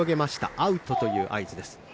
アウトという合図です。